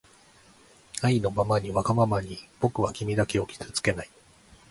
あいのままにわがままにぼくはきみだけをきずつけない